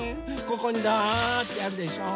ここにザーってやるでしょ。